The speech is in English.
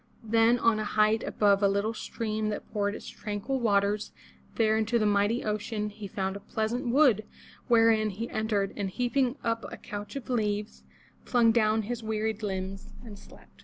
Then on a height above a little stream that poured its tranquil waters there into the mighty ocean, he found a pleasant wood wherein he entered, and heaping up a couch of leaves, flung down his wearied limbs, and slept.